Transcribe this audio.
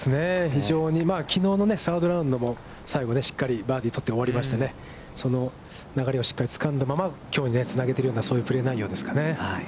非常に、きのうのサードラウンドも最後、しっかりバーディーを取って終わりまして、その流れをしっかりつかんだままきょうにつなげているような、そんなプレー内容ですかね。